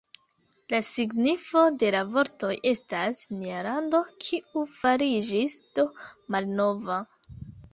La signifo de la vortoj estas "Nia lando, kiu fariĝis do malnova".